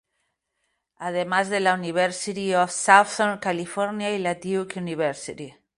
Además de la University of Southern California y la Duke University.